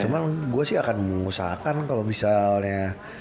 cuman gue sih akan mengusahakan kalo misalnya